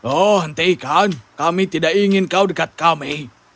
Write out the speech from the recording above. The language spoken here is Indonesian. oh hentikan kami tidak ingin kau dekat kami